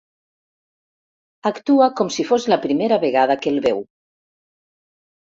Actua com si fos la primera vegada que el veu.